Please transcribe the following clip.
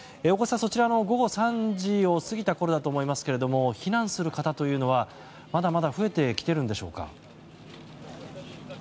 大越さん、そちらは午後３時を過ぎたころだと思いますけど避難する方というのは増えてきているんでしょうか。